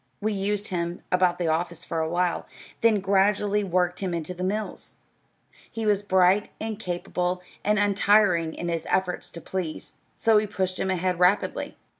We used him about the office for awhile, then gradually worked him into the mills. He was bright and capable, and untiring in his efforts to please, so we pushed him ahead rapidly.